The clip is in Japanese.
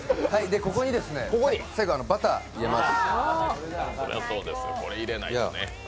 ここに最後バターを入れます。